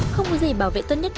không có gì bảo vệ tốt nhất